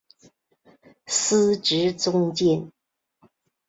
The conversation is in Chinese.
司职中坚。